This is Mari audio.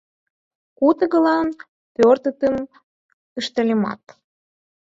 Куд угылан пӧртетым ыштальымат -